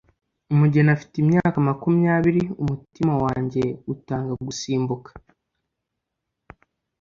Umugeni afite imyaka makumyabiri umutima wanjye utanga gusimbuka